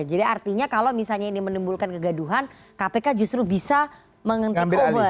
jadi artinya kalau misalnya ini menimbulkan kegaduhan kpk justru bisa mengambil alih